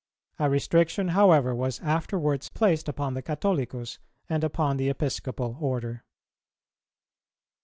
A restriction, however, was afterwards placed upon the Catholicus, and upon the Episcopal order.